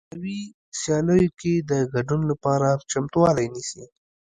په غوراوي سیالیو کې د ګډون لپاره چمتووالی نیسي